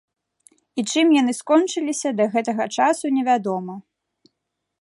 І чым яны скончыліся да гэтага часу не вядома.